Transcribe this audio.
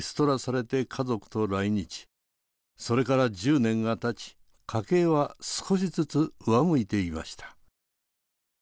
それから１０年がたち家計は少しずつ上向いていました。